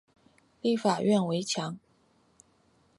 立法院围墙